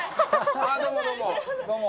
ああどうもどうもどうも。